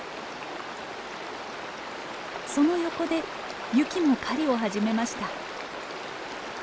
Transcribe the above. その横でユキも狩りを始めました。